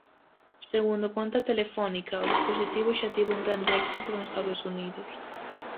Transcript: Segundo conta Telefónica, o dispositivo xa tivo un grande éxito en Estados Unidos.